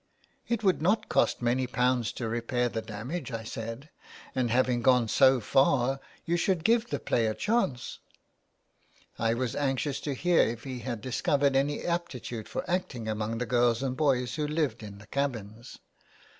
" It would not cost many pounds to repair the damage,'^ I said. '^And having gone so far you should give the play a chance." I was anxious to hear if he had discovered any aptitude for acting among the girls and the boys who lived in the cabins.